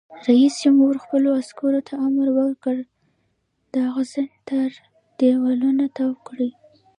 رئیس جمهور خپلو عسکرو ته امر وکړ؛ د اغزن تار دیوالونه تاو کړئ!